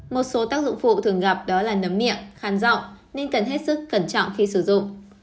một số tác dụng phụ thường gặp đó là nấm miệng khăn rộng nên cần hết sức cẩn trọng khi sử dụng